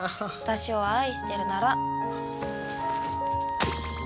私を愛してるなら。